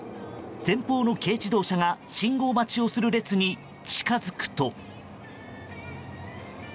前方の軽自動車が信号待ちをする列に近づくと。